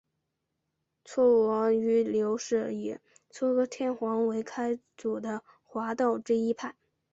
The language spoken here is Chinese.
嵯峨御流是以嵯峨天皇为开祖的华道之一派。